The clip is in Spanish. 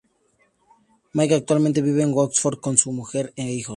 Mick actualmente vive en Oxford con su mujer e hijos.